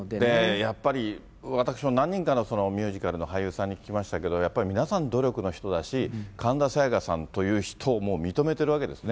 やっぱり私も何人かのミュージカルの俳優さんに聞きましたけど、やっぱり皆さん努力の人だし、神田沙也加さんという人をもう認めているわけですね。